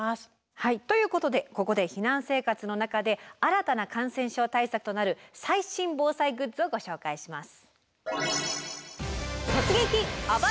はいということでここで避難生活の中で新たな感染症対策となる最新防災グッズをご紹介します。